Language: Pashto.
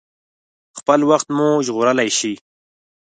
خپل وخت مو ژغورلی شئ.